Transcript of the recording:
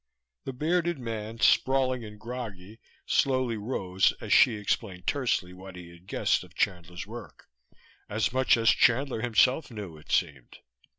The bearded man, sprawling and groggy, slowly rose as Hsi explained tersely what he had guessed of Chandler's work as much as Chandler himself knew, it seemed.